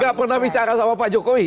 gak pernah bicara sama pak jokowi